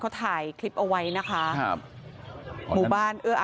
ช่องบ้านต้องช่วยแจ้งเจ้าหน้าที่เพราะว่าโดนรุมจนโอ้โหโดนฟันแผลเวิกวะค่ะ